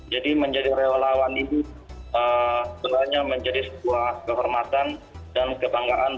jadi menjadi relawan ini sebenarnya menjadi sebuah kehormatan dan kebanggaan